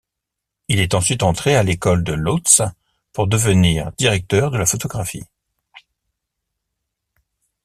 Il est ensuite entré à l'école de Łódź pour devenir directeur de la photographie.